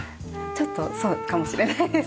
ちょっとそうかもしれないです。